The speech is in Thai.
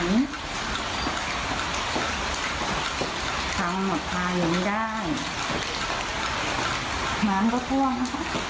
อันนี้ความหมดพายุงได้น้ำก็ท่วมค่ะ